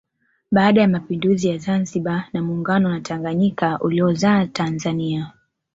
Baada ya mapinduzi ya Zanzibar na muungano na Tanganyika uliozaa Tanzania